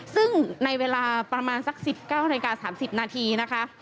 ซึ่งในเวลาประมาณสัก๑๙นาทีนะคะ